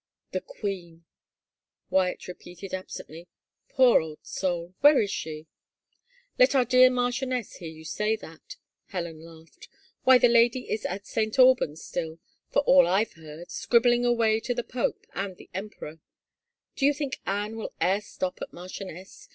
;" The queen," Wyatt repeated absently. " Poor old soul, where is she ?"" Let our dear marchioness hear you say that —!" Helen laughed. " Why the lady is at Saint Albans still, for all Fve heard, scribbling away to the pope and the emperor. .•. Do you think Anne will e*er stop at marchioness?